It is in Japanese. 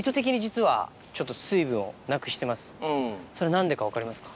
それ何でか分かりますか？